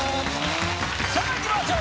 さあいきましょう！